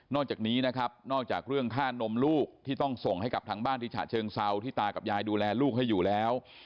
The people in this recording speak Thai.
จากนี้นะครับนอกจากเรื่องค่านมลูกที่ต้องส่งให้กับทางบ้านที่ฉะเชิงเซาที่ตากับยายดูแลลูกให้อยู่แล้ว